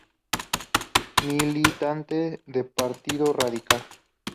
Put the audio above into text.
Militante del Partido Radical.